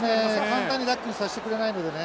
簡単にラックにさせてくれないのでね